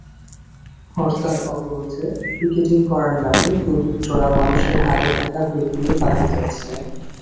হরতাল-অবরোধে picketing করার নামে দুর্বৃত্তরা মানুষের হাতে থাকা ব্যাগ নিয়ে পালিয়ে যাচ্ছে।